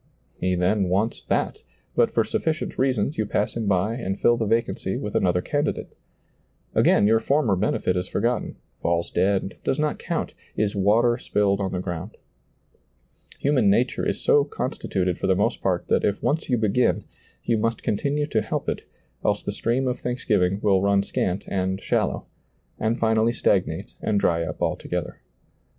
He then wants that, but for sufficient reasons you pass him by and fill the vacancy with another candidate. Again your former benefit is forgotten, &lls dead, does not count, is water spilled on the ground. Human nature is so con stituted for the most part that if once you begin, you must continue to help it, else the stream of thanksgiving will run scant and shallow,' and finally stagnate and dry up altogether.